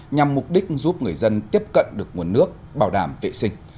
nhằm mục đích giúp người dân tiếp cận được nguồn nước bảo đảm vệ sinh